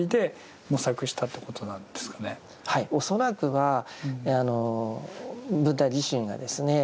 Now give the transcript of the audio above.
恐らくはブッダ自身がですね